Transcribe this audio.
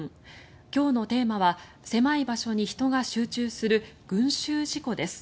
今日のテーマは狭い場所に人が集中する群衆事故です。